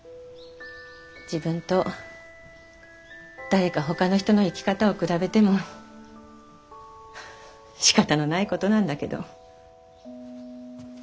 自分と誰かほかの人の生き方を比べてもしかたのないことなんだけど。